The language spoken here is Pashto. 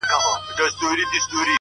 د نورو بریا ستایل سترتوب دی!